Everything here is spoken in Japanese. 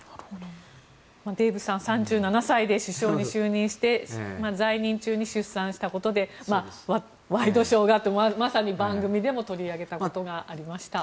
デーブさん３７歳で首相に就任して在任中に出産したことでワイドショーがってまさに番組でも取り上げたことがありました。